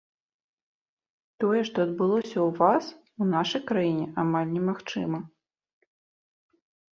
Тое, што адбылося ў вас, у нашай краіне амаль немагчыма.